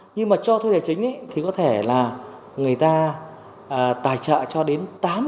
nhưng mà cho thuê tài chính thì có thể là người ta tài trợ cho đến tám mươi năm